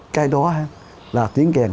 cái đó là tiếng kèm